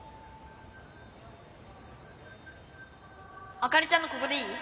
朱莉ちゃんのここでいい？